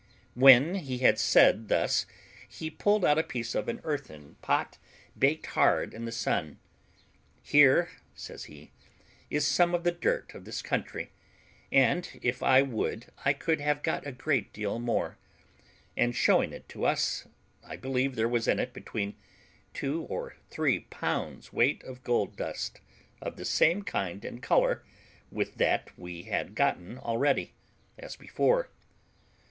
When he had said thus he pulled out a piece of an earthen pot baked hard in the sun. "Here," says he, "is some of the dirt of this country, and if I would I could have got a great deal more;" and, showing it to us, I believe there was in it between two and three pounds weight of gold dust, of the same kind and colour with that we had gotten already, as before.